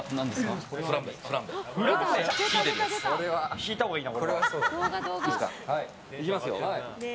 引いたほうがいいな。